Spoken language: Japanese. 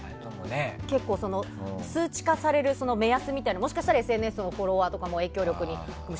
数値化される目安みたいな、もしかしたらＳＮＳのフォロワーとかも影響力にね。